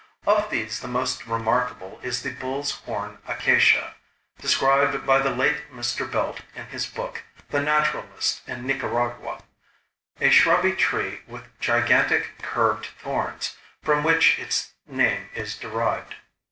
Of these the most remarkable is the bull's horn acacia (described by the late Mr. Belt in his book "The Naturalist in Nicaragua"), a shrubby tree with gigantic curved thorns, from which its name is derived.